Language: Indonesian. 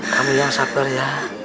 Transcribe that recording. kamu yang sabar ya